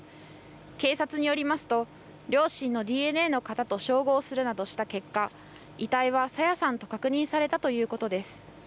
警察によりますと両親のＤＮＡの型と照合するなどした結果、遺体は朝芽さんと確認されたということです。